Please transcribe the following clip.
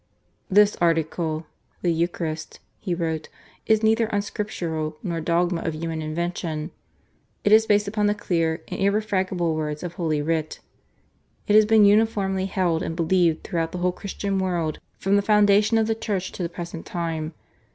" "This article (The Eucharist)," he wrote, "is neither unscriptural nor a dogma of human invention. It is based upon the clear and irrefragable words of Holy Writ. It has been uniformly held and believed throughout the whole Christian world from the foundation of the Church to the present time.